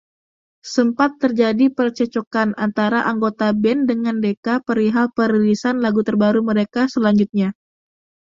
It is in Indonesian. Sempat terjadi percekcokan antara anggota band dengan Decca perihal perilisan lagu terbaru mereka selanjutnya.